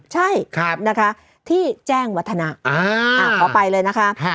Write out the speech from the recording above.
ใช่ที่แจ้งวัฒนาเอาไปเลยนะคะ